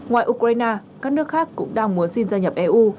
ngoài ukraine các nước khác cũng đang muốn xin gia nhập eu